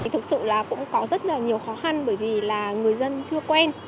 thực sự là cũng có rất là nhiều khó khăn bởi vì là người dân chưa quen